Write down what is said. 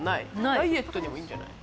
ダイエットにもいいんじゃない？